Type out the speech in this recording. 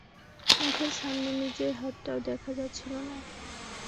মুখের সামনে নিজের হাতটাও দেখা যাচ্ছিল না।